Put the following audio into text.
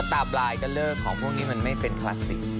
ตาปลายก็เลิกของพวกนี้มันไม่เป็นคลาสสิก